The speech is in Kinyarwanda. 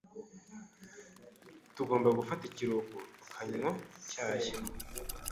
Tugomba gufata ikiruhuko tukanywa icyayi.